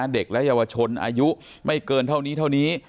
เด็กและเยาวชนอายุไม่เกินเท่านี้เท่านี้